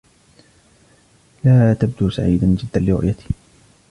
لا تبدو سعيدا جدا لرؤيتي.